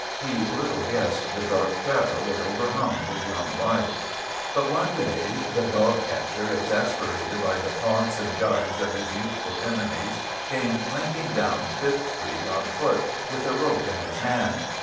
He little guessed the dark shadow that overhung his young life. But one day the dog catcher, exasperated by the taunts and gibes of his youthful enemies, came slink ing down Fifth Street on foot, with a rope in his hand.